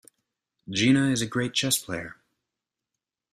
Gina is a great chess player.